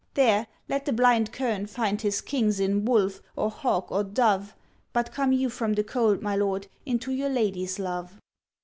There, let the blind kern find his kings in wolf, or hawk, or dove. But come you from the cold, my lord, into your lady's love.'